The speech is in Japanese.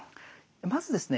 まずですね